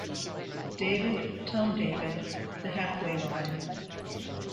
David, Tom David, the half-way line.